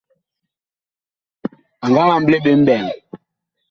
A nga amble ɓe mɓɛɛŋ.